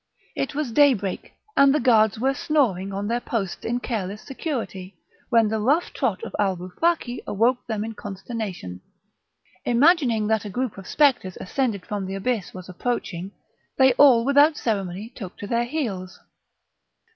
It was daybreak, and the guards were snoring on their posts in careless security, when the rough trot of Alboufaki awoke them in consternation. Imagining that a group of spectres ascended from the abyss was approaching, they all without ceremony took to their heels.